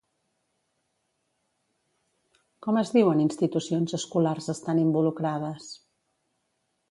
Com es diuen institucions escolars estan involucrades?